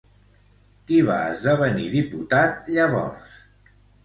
Qui va esdevenir diputat llavors?